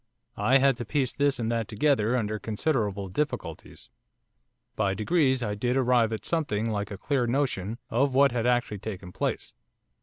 I had to piece this and that together under considerable difficulties. By degrees I did arrive at something like a clear notion of what had actually taken place.